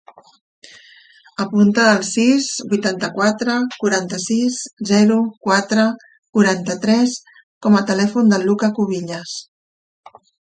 Apunta el sis, vuitanta-quatre, quaranta-sis, zero, quatre, quaranta-tres com a telèfon del Luka Cubillas.